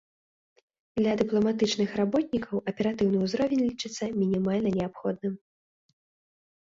Для дыпламатычных работнікаў аператыўны ўзровень лічыцца мінімальна неабходным.